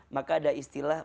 maka ada istilah